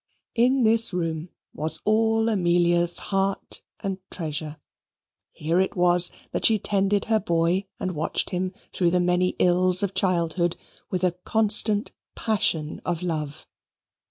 In this room was all Amelia's heart and treasure. Here it was that she tended her boy and watched him through the many ills of childhood, with a constant passion of love.